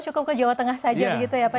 cukup ke jawa tengah saja begitu ya pak